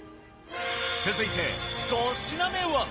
続いて５品目は。